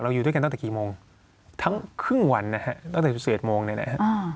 อยู่ด้วยกันตั้งแต่กี่โมงทั้งครึ่งวันนะฮะตั้งแต่สิบเอ็ดโมงเนี่ยนะฮะ